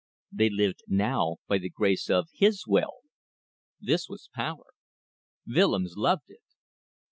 They lived now by the grace of his will. This was power. Willems loved it.